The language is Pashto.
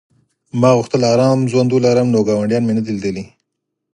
ما غوښتل ارام ژوند ولرم نو ګاونډیان مې نه دي لیدلي